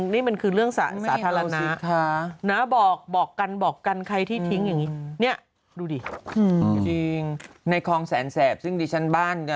นี่มันคือเรื่องสาธารณะ